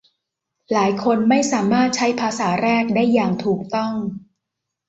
หลายคนไม่สามารถใช้ภาษาแรกได้อย่างถูกต้อง